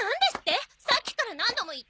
さっきから何度も言ってるでしょ！